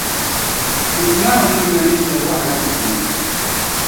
Tinim’ Naawuni nam la ninsala wahala puuni.